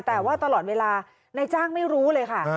แต่ว่าตลอดเวลานายจ้างไม่รู้เลยค่ะ